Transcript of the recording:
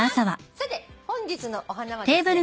さて本日のお花はですね